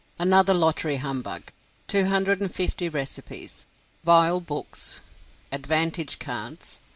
ANOTHER LOTTERY HUMBUG. TWO HUNDRED AND FIFTY RECIPES. VILE BOOKS. "ADVANTAGE CARDS."